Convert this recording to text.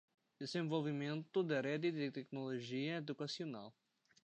Desenvolvimento da Rede de Tecnologia Educacional.